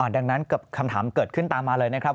ดังนั้นกับคำถามเกิดขึ้นตามมาเลยนะครับ